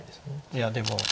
いやでも。